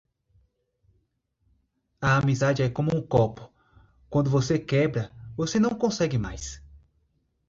A amizade é como um copo: quando você quebra, você não consegue mais.